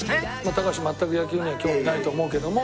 高橋全く野球には興味ないと思うけども。